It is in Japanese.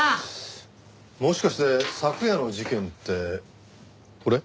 もしかして昨夜の事件ってこれ？